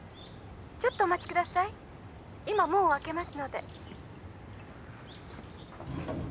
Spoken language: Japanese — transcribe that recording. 「ちょっとお待ちください」「今門を開けますので」